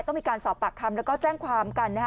ต้องมีการสอบปากคำแล้วก็แจ้งความกันนะฮะ